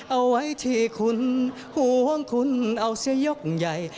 เอาไว้ที่คุณห่วงคุณเอาเสียยกใหญ่